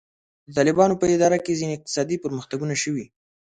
د طالبانو په اداره کې ځینې اقتصادي پرمختګونه شوي.